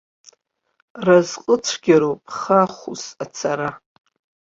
Разҟәыцәгьароуп хахәыс ацара.